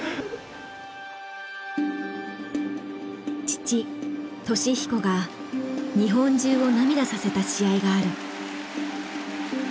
父稔彦が日本中を涙させた試合がある。